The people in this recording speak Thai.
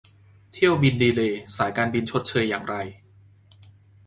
เที่ยวบินดีเลย์สายการบินชดเชยอย่างไร ?